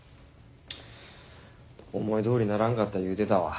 思いどおりならんかった言うてたわ。